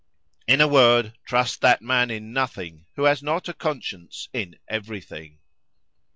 "In a word,—trust that man in nothing, who has not a CONSCIENCE in every thing.